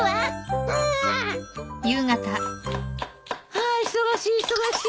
ああ忙しい忙しい。